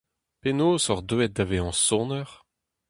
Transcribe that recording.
Penaos oc'h deuet da vezañ soner ?